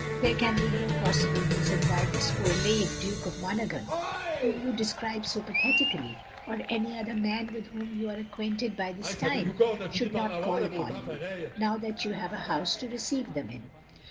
There can be no possible reason why this poor lame Duke of Mono ghan, whom you describe so pathetically, {or any other man with whom you are acquainted by this time) should not call upon you, now that you have a house to receive them in.